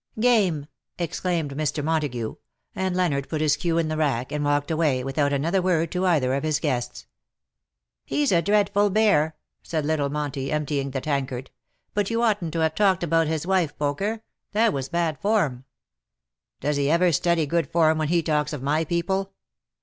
''" Game/' exclaimed Mr. Montagu ; and Leonard put his cue in the rack, and walked away, without another word to either of his guests. " He's a dreadful bear/' said little Monty, empty ing the tankard ;" but you oughtn't to have talked about the wife, Poker — that was bad form." " Does he ever study good form when he talks of my people